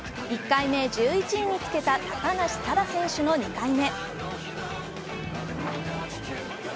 １回目１１位につけた高梨沙羅選手の２回目。